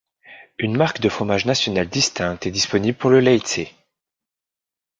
Une marque de fromage nationale distincte est disponible pour le Leidse.